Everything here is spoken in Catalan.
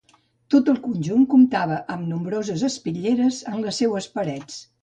Tot el conjunt comptava amb nombroses espitlleres en les seues parets.